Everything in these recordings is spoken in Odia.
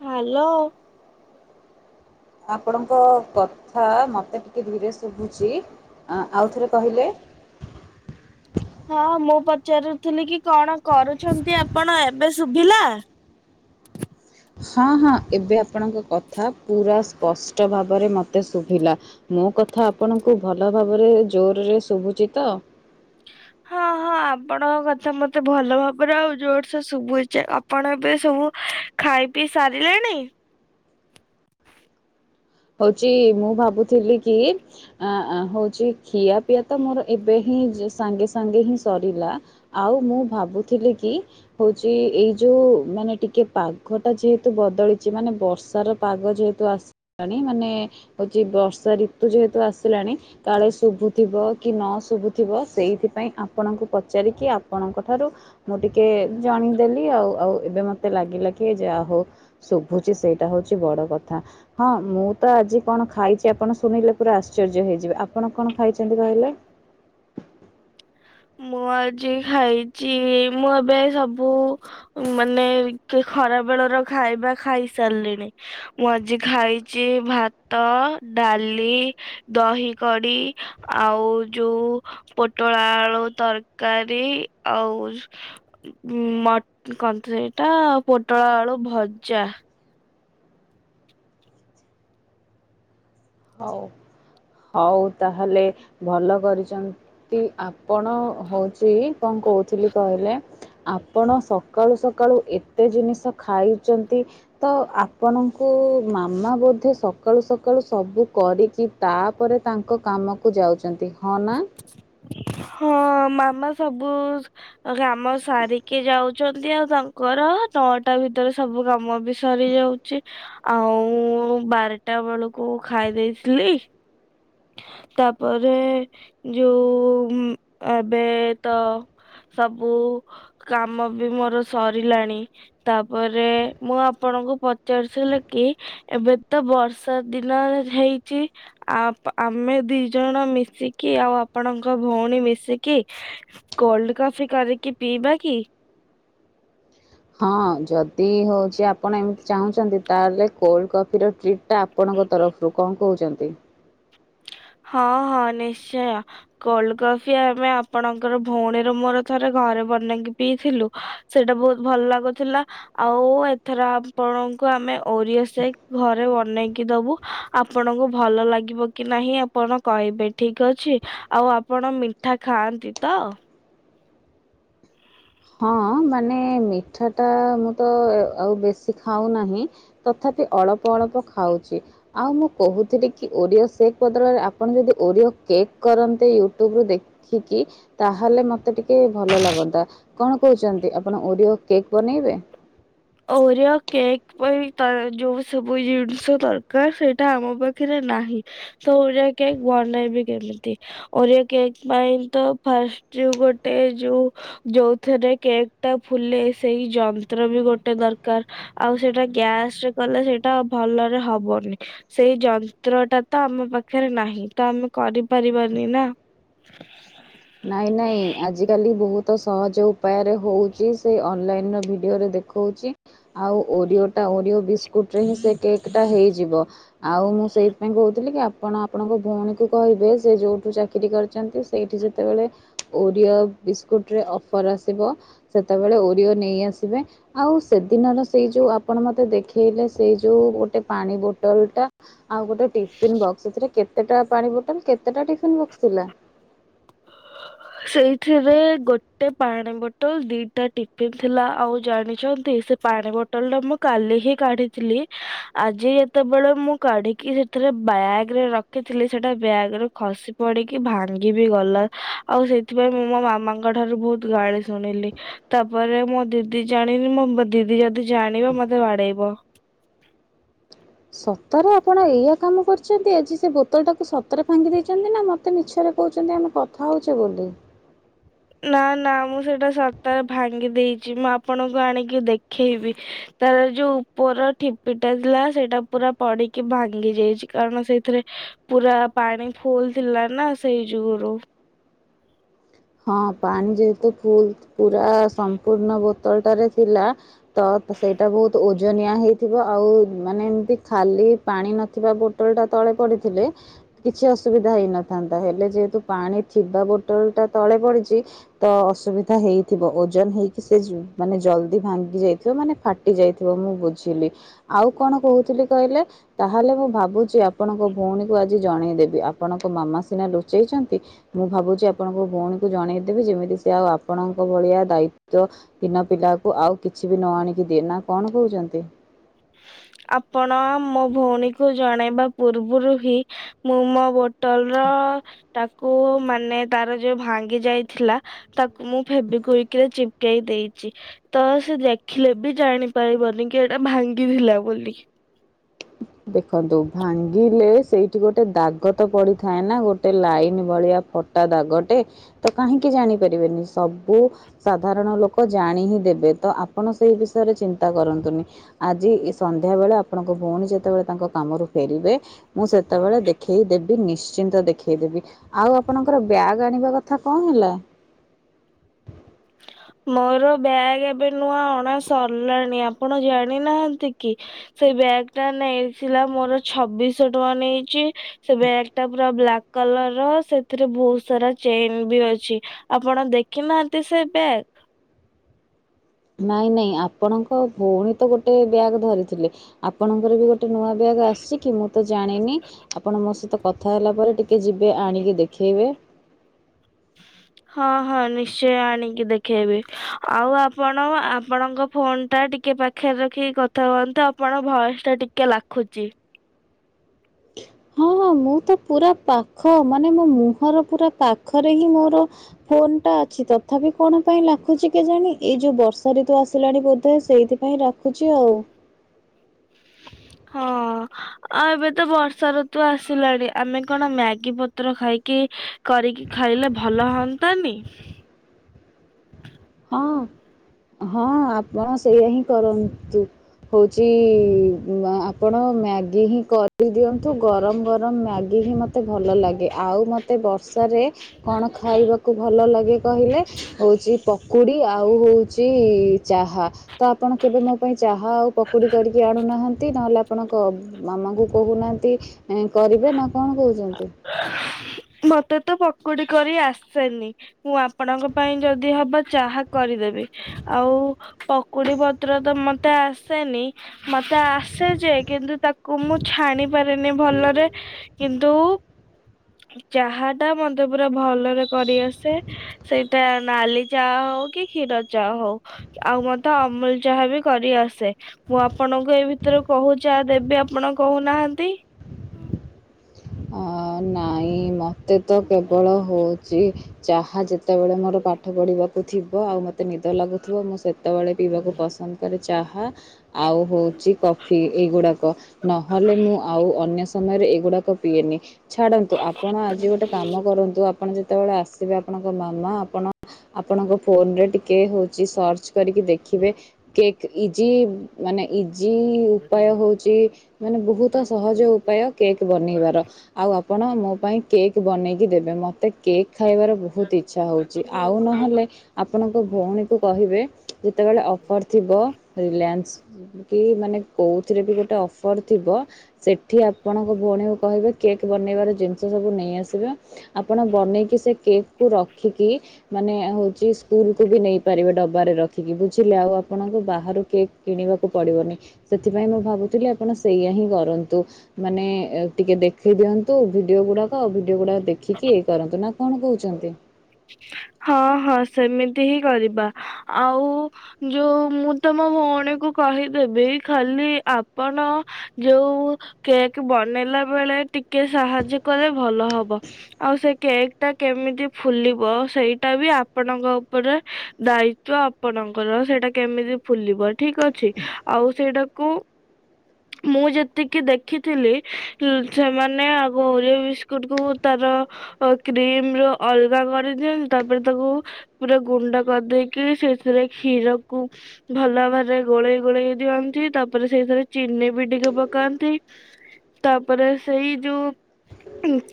ହ୍ୟାଲୋ ଆପଣଙ୍କ କଥା ମୋତେ ଟିକେ ଧୀରେ ଶୁଭୁଛି ଆଉଥରେ କହିଲେ ହଁ ମୁଁ ପଚାରୁଥିଲି କି କଣ କରୁଛନ୍ତି ଆପଣ ଏବେ ଶୁଭିଲା ହଁ ହଁ ଏବେ ଆପଣଙ୍କ କଥା ପୁରା ସ୍ପଷ୍ଟ ଭାବରେ ମୋତେ ଶୁଭିଲା ମୋ କଥା ଆପଣଙ୍କୁ ଭଲ ଭାବରେ ଜୋରରେ ଶୁଭୁଛି ତ ହଁ ହଁ ହଁ ଆପଣଙ୍କ କଥା ମତେ ଭଲ ଭାବରେ ଆଉ ଜୋରସେ ଶୁଭୁଛ ଆପଣ ଏବେ ସବୁ ଖାଇ ପିଇ ସାରିଲେଣି। ହଉଛି ମୁଁ ଭାବୁଥିଲି କି ଆ ହଉଛି ଖିଆ ପିଆ ତ ମୋର ଏବେ ହିଁ ସାଙ୍ଗେ ସାଙ୍ଗେ ହିଁ ସରିଲା ଆଉ ମୁଁ ଭାବୁଥିଲି କି ହଉଛି ଏଇ ଯୋଉ ମାନେ ଟିକେ ପାଗ ଟା ଯେହେତୁ ବଦଳିଛି ମାନେ ବର୍ଷାର ପାଗ ଯେହେତୁ ଆସିଲାଣି ମାନେ ହଉଛି ବର୍ଷା ଋତୁ ଯେହେତୁ ଆସିଲାଣି କାଳେ ଶୁଭୁଥିବ କି ନ ଶୁଭୁଥିବ ସେଇଥିପାଇଁ ଆପଣଙ୍କୁ ପଚାରିକି ଆପଣଙ୍କ ଠାରୁ ମୁଁ ଟିକେ ଜାଣିଇଦେଲି ଆଉ ଆଉ ଏବେ ମତେ ଲାଗିଲା କି ଯେ ଆହୋ ଶୁଭୁଛି ସେଇଟା ହଉଛି ବଡ କଥା ହଁ ମୁଁ ତ ଆଜି କଣ ଖାଇଛି ଆପଣ ଶୁଣିଲେ ପୁରା ଆଶ୍ଚର୍ଯ୍ୟ ହେଇଯିବେ ଆପଣ କଣ ଖାଇଛନ୍ତି କହିଲେ? ମୁଁ ଆଜି ଖାଇଛି ମୁଁ ଏବେ ସବୁ ମାନେ କିଏ ଖରା ବେଳର ଖାଇବା ଖାଇସାରିଲିଣି ମୁଁ ଆଜି ଖାଇଛି ଭାତ ଡାଲି ଦହି କଡି ଆଉ ଯୋଉ ପୋଟଳ ଆଳୁ ତରକାରୀ ଆଉ ଶୁ ଉ ମ କନ୍ତି ସେଇଟା ପୋଟଳ ଆଳୁ ଭଜା ହଉ ହଉ ତାହେଲେ ଭଲ କରିଚ ନ୍ତି ଆପଣ ହଉଚି କଣ କହୁଥିଲି କହିଲ ଆପଣ ସକାଳୁ ସକାଳୁ ଏତେ ଜିନିଷ ଖାଇଛନ୍ତି। ତ ଆପଣଙ୍କୁ ମାମା ବୋଧେ ସକାଳୁ ସକାଳୁ ସବୁ କରିକି ତାପରେ ତାଙ୍କ କାମକୁ ଯାଉଛନ୍ତି ହଁ ନା ହଁ ମାମା ସବୁ ରାମ ସାରିକି ଯାଉଛନ୍ତି ଆଉ ତାଙ୍କର ନଅଟା ଭିତରେ ସବୁ କାମ ବି ସରି ଯାଉଛି ଆଉ ବାରଟା ବେଳକୁ ଖାଇ ଦେଇଥିଲି ତାପରେ ଯୋଉ ଏବେ ତ ସବୁ କାମ ବି ମୋର ସରିଲାଣି ତାପରେ ମୁଁ ଆପଣଙ୍କୁ ପଚାରସ ଲେ କି ଏବେ ତ ବର୍ଷା ଦିନ ହେଇଚି ଆ ପା ଆମେ ଦି ଜଣ ମିଶିକି ଆଉ ଆପଣଙ୍କ ଭଉଣୀ ମିଶିକି କୋଲ୍ଡ କଫି କରିକି ପିଇବା କି? ହଁ ଯଦି ହଉଚି ଆପଣ ଏମିତି ଚାହୁଁଚନ୍ତି ତାହେଲେ କୋଲ୍ଡ କଫି ର ଟ୍ରିଟ୍ ଟା ଆପଣଙ୍କ ତରଫରୁ କଣ କହୁଚନ୍ତି? ହଁ ହଁ ନିଶ୍ଚୟ। କୋଲ୍ଡ କଫି ଆମେ ଆପଣଙ୍କର ଭଉଣୀ ର ମୋର ଥରେ ଘରେ ବନେଇକି ପିଇଥିଲୁ। ସେଇଟା ବହୁତ ଭଲ ଲାଗୁଥିଲା। ଆଉ ଏଥର ଆପଣଙ୍କୁ ଆମେ ଓରିଇ ସେକ୍ ଘରେ ବନେଇକି ଦବୁ। ଆପଣଙ୍କୁ ଭଲ ଲାଗିବ କି ନାହିଁ ଆ ଆପଣ କହିବେ ଠିକ ଅଛି ଆଉ ଆପଣ ମିଠା ଖାଆନ୍ତି ତ? ହଁ ମାନେ ମିଠାଟା ମୁଁ ତ ଆଉ ବେଶୀ ଖାଉନାହିଁ। ତଥାପି ଅଳପ ଅଳପ ଖାଉଚି। ଆଉ ମୁଁ କହୁଥିଲି କି ଓରିଓ ସେକ୍ ବଦଳରେ ଆପଣ ଯଦି ଓରିଓ କେକ୍ କରନ୍ତେ ୟୁଟ୍ୟୁବ ରୁ ଦେ ଖିକି ତାହେଲେ ମତେ ଟିକେ ଭଲ ଲାଗନ୍ତା। କଣ କହୁଚନ୍ତି ଆପଣ ଓରିଓ କେକ୍ ବନେଇବେ? ଓରିଓ କେକ୍ ପାଇଁ ତ ଅ ଯୋଉ ସବୁ ୟୁନଷ ଦରକାର ସେଇଟା ଆମ ପାଖରେ ନାହିଁ। ତ ଓରିଓ କେକ୍ ବନେଇବି କେମିତି? ଓରିଓ କେକ୍ ପାଇଁ ତ ଫାଷ୍ଟ ଯଉ ଗୋଟେ ଯୋଉ ଯୋଉଥିରେ କେକ୍ ଟା ଫୁଲେ ସେଇ ଯନ୍ତ୍ର ବି ଗୋ ଟେ ଦରକାର ଆଉ ସେଇଟା ଗ୍ୟାସ ରେ କଲେ ସେଇଟା ଭଲରେ ହବନି। ସେଇ ଯନ୍ତ୍ରଟା ତ ଆମ ପାଖରେ ନାହିଁ ତ ଆମେ କରିପାରିବାନି ନା। ନାଇଁ ନାଇଁ ଆଜିକାଲି ବହୁତ ସହଜ ଉପାୟରେ ହଉଚି ସେ ଅନଲାଇନ ର ଭିଡିଓରେ ଦେ ଖଉଚି ଆଉ ଓରିଓ ଟା ଓରିଓ ବିସ୍କୁଟ ରେ ହିଁ ସେ କେକ୍ ଟା ହେଇଯିବ। ଆଉ ମୁଁ ସେଇଥିପାଇଁ କହୁଥିଲି କି ଆପଣ ଆପଣଙ୍କ ଭଉଣୀକୁ କହିବେ ସେ ଯୋଉଠୁ ଚାକିରି କରିଚନ୍ତି ସେଇଠି ସେ ତବେଳେ ଓରିଓ ବିସ୍କୁଟରେ ଅଫର୍ ଆସିବ ସେତବେଳେ ଓରିଓ ନେଇ ଆସିବେ। ଆଉ ସେଦିନର ସେଇ ଯୋଉ ଆପଣ ମତେ ଦେଖେଇଲେ ସେଇ ଯୋଉ ଗୋଟେ ପାଣି ବୋଟଲ ଟା ଆଉ ଗୋଟେ ଟିଫିନ୍ ବକ୍ସ ସେଥିରେ କେତେଟା ପାଣି ବୋଟଲ କେତେଟା ଟିଫିନ୍ ବକ୍ସ ଥିଲା? ସେଇଥିରେ ଗୋଟେ ପାଣି ବୋଟଲ ଦିଟା ଟିଫିିନ ଥିଲା ଆଉ ଜାଣିଚନ୍ତି ସେ ପାଣି ବୋଟଲ ଟା ମୁଁ କାଲି ହିଁ କାଢିଥିଲି ଆଜି ଯେତବେଳେ ମୁଁ କାଢିକି ସେ ଥିରେ ବ୍ୟାଗ ରେ ରଖିଥିଲି ସେଟା ବ୍ୟାଗରେ ଖସି ପଡିକି ଭାଙ୍ଗି ବି ଗଲା। ଆଉ ସେଇଥିପାଇଁ ମୁଁ ମୋ ମାମାଙ୍କ ଠାରୁ ବହୁତୁ ଗାଳି ଶୁଣିଲି। ତାପରେ ମୋ ଦିଦି ଜାଣିନି ମୋ ଦିଦି ଯଦି ଜାଣିବ ମତେ ବାଡେଇବ। ସତରେ ଆପଣ ଏଇଆ କାମ କରିଚନ୍ତି ଆଜି ସେ ବୋତଲ ଟାକୁ ସତରେ ଭାଙ୍ଗି ଦେଇଚନ୍ତି ନା ମ ତେ ମିଛରେ କହୁଚନ୍ତି ଆମେ କଥା ହଉଚେ ବୋଲି? ନା ନା ମୁଁ ସେଇଟା ସତରେ ଭାଙ୍ଗି ଦେଇଚି ମୁଁ ଆପଣଙ୍କୁ ଆଣିକି ଦେଖେଇବି। ତାର ଯୋଉ ଉପର ଠିପିଟା ଥିଲା ସେଇଟା ପୁରା ପଡିକି ଭାଙ୍ଗି ଯାଇଚି। କାରଣ ସେଇଥିରେ ପୁରା ପାଣି ଫୁଲ୍ ଥିଲା ନା ସେଇ ଯୁଗୁରୁ। ହଁ ପାଣି ଯେହେତୁ ଫୁଲ୍ ପୁରା ସମ୍ପୂର୍ଣ୍ଣ ବୋତଲଟାରେ ଥିଲା। ତ ସେଇଟା ବହୁତ ଓଜନିଆ ହେଇଥିବ ଆଉ ମାନେ ଏମିତି ଖାଲି ପାଣି ନଥିବା ବୋ ଟଲ ତା ତଳେ ପଡିଥିଲେ କିଛି ଅସୁବିଧା ହେଇନଥାନ୍ତା ହେଲେ ଯେହେତୁ ପାଣି ଥିବା ବୋଟଲ ଟା ତଳେ ପଡିଚି ତ ଅସୁବିଧା ହେଇଥିବ ଓଜନ ହେଇକି ସେ ଯ ମାନେ ଜଲଦି ଭାଙ୍ଗି ଯାଇଥିବ ମାନେ ଫା ଟି ଯାଇଥିବ ମୁଁ ବୁଝିଲି ଆଉ କଣ କହୁଥିଲି କହିଲେ ତାହେଲେ ମୁଁ ଭାବୁଚି ଆପଣଙ୍କ ଭଉଣୀକୁ ଆଜି ଜଣେଇଦେବି ଆପଣଙ୍କ ମାମା ସିନା ଲୁଚେଇଚନ୍ତି। ମୁଁ ଭାବୁଚି ଆପଣଙ୍କ ଭଉଣୀକୁ ଜଣେଇଦେବି ଯେମିତି ସେ ଆଉ ଆପଣଙ୍କ ଭଳିଆ ଦାୟିତ୍ଵ ହିନ ପିଲାକୁ ଆଉ କିଛି ବି ନ ଆଣିକି ଦିଏ ନା କଣ କହୁଚନ୍ତି? ଆପଣ ମୋ ଭଉଣୀକୁ ଜଣେଇବା ପୂର୍ବରୁ ହି ମୁଁ ମୋ ବୋଟଲ୍ ର ତାକୁ ମାନେ ତାର ଯୋଉ ଭାଙ୍ଗି ଯାଇଥିଲା ତାକୁ ମୁଁ ଫେବି କ୍ବକି ରେ ଚିପ୍ କେଇ ଦେଇଛି। ତ ସେ ଦେଖିଲେ ବି ଜାଣିପାରିବନି କି ଏଇଟା ଭାଙ୍ଗିଥିଲା ବୋଲି। ଦେଖନ୍ତୁ ଭାଙ୍ଗିଲେ ସେଇଠି ଗୋଟେ ଦାଗ ତ ପଡିଥାଏ ନା ଗୋଟେ ଲାଇନ୍ ଭଳିଆ କଟା ଦାଗଟେ ତ କାହିଁକି ଜାଣିପାରିବେନି ସବୁ ସାଧାରଣ ଲୋକ ଜାଣି ହିଁ ଦେବେ ତ ଆପଣ ସେଇ ବିଷୟରେ ଚିନ୍ତା କରନ୍ତୁନି। ଆଜି ସନ୍ଧ୍ୟା ବେଳେ ଆପଣଙ୍କ ଭଉଣୀ ଜେ ଯେତେବେଳେ ତାଙ୍କ କାମରୁ ଫେରିବେ ମୁଁ ସେତେବେଳେ ଦେଖେଇ ଦେବି ନିଶ୍ଚିନ୍ତ ଦେଖେଇ ଦେବି। ଆଉ ଆପଣଙ୍କର ବ୍ୟାଗ୍ ଆଣିବା କଥା କଣ ହେଲା। [inaudible] ମୋର ବ୍ୟାଗ୍ ଏବେ ନୂଆ ଅଣା ସରିଲାଣି ଆପଣ ଜାଣିନାହାନ୍ତି କି? ସେଇ ବ୍ୟାଗ ଟା ନେଇଥିଲା ମୋର ଛବିଶ ଶହ ଟଙ୍କା ନେଇଛି। ସେ ବ୍ୟାଗ ଟା ପୁରା ବ୍ଲାକ୍ କଲର ର ସେଥିରେ ବହୁତ୍ ସାରା ଚେନ୍ ବି ଅଛି। ଆପଣ ଦେଖି ନାହାନ୍ତି ସେ ବ୍ୟାଗ୍ ନାଇଁ ନାଇଁ ଆପଣଙ୍କ ଭଉଣୀ ତ ଗୋଟେ ବ୍ୟାଗ୍ ଧରିଥିଲେ ଆପଣଙ୍କର ବି ଗୋ ଗୋଟେ ନୂଆ ବ୍ୟାଗ୍ ଆସିଛି କି ମୁଁ ତ ଜାଣିନି ଆପଣ ମୋ ସହିତ କଥା କଥା ହେଲା ପରେ ଟିକଏ ଯିବେ ଆଣିକି ଦେଖେଇବେ ହଁ ହଁ ନିଶ୍ଚୟ ଆଣିକି ଦେଖେଇବି ଆଉ ଆପଣ ଆପଣଙ୍କ ଫୋନ ଟା ଟିକେ ପାଖେ ପାଖରେ ରଖି କଥା ହୁଅନ୍ତୁ ଆପଣଙ୍କ ଭଏସ୍ ଟା ଟିକେ ଲାଖୁଛି। ହଁ ହଁ ମୁଁ ତ ପୁରା ପାଖ ମାନେ ମୋ ମୁହଁର ପୁରା ପାଖରେ ହିଁ ମୋର ଫୋନ ଟା ଅଛି ତଥାପି କଣ ପାଇଁ ଲାଖୁଛି କେ ଜାଣି ଏଇ ଯୋଉ ବର୍ଷା ଋତୁ ଆସିଲାଣି ବୋଧେ ସେଇଥିପାଇଁ। ଲାଖୁଛି ଆଉ ହଁ। ହଁ ଆଉ ଏବେ ତ ବର୍ଷା ଋତୁ ଆସିଲାଣି ଆମେ କଣ ମ୍ୟାଗି ପତ୍ର ଖାଇକି କରିକି ଖାଇଲେ ଭଲ ହୁଅନ୍ତାନି। ହଁ ହଁ ଆପଣ ସେଇୟା ହିଁ କରନ୍ତୁ। ହଉଛି ଆପଣ ମ୍ୟାଗି ହିଁ କରିଦିଅନ୍ତୁ ଗରମ ଗରମ ମ୍ୟାଗି ହିଁ ମୋତେ ମତେ ଭଲ ଲାଗେ ଆଉ ମତେ ବର୍ଷାରେ କଣ ଖାଇବାକୁ ଭଲ ଲାଗେ କହିଲେ ହଉଛି। ପକୁଡ଼ି ଆଉ ହେଉଛି ଚାହା ତ ଆପଣ କେବେ ମୋ ପାଇଁ ଚାହା ଆଉ ପକୁଡି କରିକି ଆଣୁନାହାନ୍ତି ନହେଲେ ଆପଣଙ୍କ ମାମା କୁ କହୁନାହାନ୍ତି କରିବେ ନା କଣ କହୁଛନ୍ତି? [unintelligible] ମତେ ତ ପକୁଡି କରି ଆସେନି ମୁଁ ଆପଣଙ୍କ ପାଇଁ ଯଦି ହବ ଚାହା କରିଦେବି ଆଉ ପକୁଡି ପତ୍ର ତ ମ ମତେ ଆସେନି ମତେ ଆସେ ଯେ କିନ୍ତୁ ତା କୁ ମୁଁ ଛାଣି ପାରେନି ଭଲରେ କିନ୍ତୁ। ଚାହା ଟା ମତେ ପୁରା ଭଲରେ କରିଆସେ ସେଇଟା ନାଲି ଚା ହଉ କି କ୍ଷୀର ଚା ହଉ ଆଉ ମତେ ଅମୁଲ ଚାହା ବି କରି ଆସେ ମୁଁ ଆପଣଙ୍କୁ ଏଇ ଭିତରୁ କଉ ଚାହା ଦେବି ଆପଣ କହୁନାହାନ୍ତି। ନାହିଁ ମତେ ତ କେବଳ ହେଉଛି। ଚାହା ଯେତେବେଳେ ମୋର ପାଠ ପଢିବାକୁ ଥିବ ଆଉ ମତେ ନିଦ ଲାଗୁଥିବ ମୁଁ ସେତେବେଳେ ପିଇବାକୁ ପସନ୍ଦ କ ଚାହା ଆଉ ହଉଛି କଫି ଏଇ ଗୁଡାକ ନହେଲେ ମୁଁ ଆଉ ଅନ୍ୟ ସମୟରେ ଏଇଗୁଡାକ ପିଏନି। ଛାଡ଼ନ୍ତୁ ଆପଣ ଆଜି ଗୋଟେ କାମ କରନ୍ତୁ ଆପଣ ଯେତେବେଳେ ଆସ ତେବେ ଆପଣଙ୍କ ମାମା ଆପଣ ଆପଣଙ୍କ ଫୋନରେ ଟିକେ ହଉଛି ସର୍ଚ କରିକି ଦେଖିବେ କେକ୍ ଇଜି ମାନେ ଇଜି ଉପାୟ ହଉଛି ମାନେ ବହୁତ୍ ସହଜ ଉପାୟ କେକ୍ ବନେଇବାର। ଆଉ ଆପଣ ମୋ ପାଇଁ କେକ୍ ବନେଇକି ଦେବେ, ମତେ କେକ୍ ଖାଇବାର ବହୁତ ଇଚ୍ଛା ହଉଛି, ଆଉ ନହେଲେ ଆପଣଙ୍କ ଭଉଣୀକୁ କହିବେ ଯେତେବେଳେ ଅଫର୍ ଥିବ ରିଲାଏନ୍ସ କି ମାନେ କୋଉଥିରେ ବି ଗୋଟେ ଅଫର୍ ଥିବ ସେଠି ଆପଣଙ୍କ ଭଉଣୀ କହିବେ କେକ୍ ବନେଇବାର ଜିନିଷ ସବୁ ନେଇଆସିବା ଆପଣ ବନେଇକି ସେ କେକ୍ କୁ ରଖିକି ମାନେ ହଉଛି ସ୍କୁଲକୁୁ ବି ନେଇ ପାରିବେ ଡବାରେ ରଖିକି ବୁଝିଲେ ଆଉ ଆପଣଙ୍କ ବାହାରୁ କେକ୍ କିଣିବାକୁ ପଡ଼ିବନି, ସେଥିପାଇଁ ମୁଁ ଭାବୁଥିଲି ଆପଣ ସେଇଆ ହିଁ କରନ୍ତୁ, ମାନେ ଟିକେ ଦେଖି ଦିଅନ୍ତୁ, ଭିଡ଼ିଓ ଗୁଡ଼ାକ ଭିଡ଼ିଓ ଗୁଡ଼ାକ ଦେଖିକି ଇଏ କରନ୍ତୁ ନା କଣ କହୁଛନ୍ତି? ହଁ ହଁ ସେମିତି ହିଁ କରିବା, ଆଉ ଯୋଉ ମୁଁ ତ ମୋ ଭଉଣୀକୁ କହିଦେବି, ଖାଲି ଆପଣ ଯୋଉ କେକ୍ ବନେଇଲା ବେଳେ ଟିକେ ସାହାଯ୍ୟ କଲେ ଭଲ ହବ। ଆଉ ସେ କେକ୍ ଟା କେମିତି ଫୁଲିବ ସେଇଟା ବି ଆପଣଙ୍କ ଉପରେ ଦାୟିତ୍ଵ ଆପଣଙ୍କର ସେଇଟା କେମିତି ଫୁଲିବ ଠିକ ଅଛି, ଆଉ ସେଇଟାକୁ ମୁଁ ଯେତିକି ଦେଖିଥିଲି ସେମାନେ ଆଗ ଓରିଓ ବିସ୍କୁଟ କୁ ତାର ଅ କ୍ରିମ ରୁ ଅଲଗା କରିଦିଅନ୍ତି, ତାପରେ ତାକୁ ପୁରା ଗୁଣ୍ଡ କରିଦେଇକି ସେଥିରେ କ୍ଷୀରକୁ ଭଲ ଭାବରେ ଗୋଳେଇ ଗୋଳେଇ ଦିଅନ୍ତି, ତାପରେ ସେଇଥିରେ ଚିନି ବି ଟିକେ ପକାନ୍ତି। ତାପରେ ସେଇ ଯୋଉ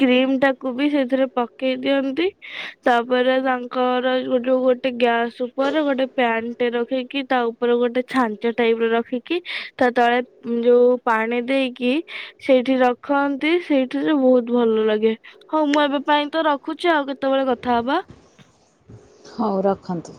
କ୍ରିମ ଟାକୁ ବି ସେଇଥିରେ ପକେଇ ଦିଅ ନ୍ତି। ତାପରେ ତାଙ୍କର ଗୋ ଯଉ ଗୋଟେ ଗ୍ୟାସ ଉପରେ ଗୋଟେ ପ୍ୟାନ ଟେ ରଖିକି, ତା ଉ ଉପରେ ଗୋଟେ ଛାଞ୍ଚ ଟାଇପ ର ରଖିକି ତା ତଳେ ଯୋଉ ପାଣି ଦେଇକି, ସେଇଠି ରଖନ୍ତି, ସେଇଠିରେ ବହୁତ ଭଲ ଲାଗେ, ହଉ ମୁଁ ଏବେ ପାଇଁ ତ ରଖୁ ଛି ଆଉ କେତେବେଳେ କଥା ହବା। ହଉ ରଖନ୍ତୁ।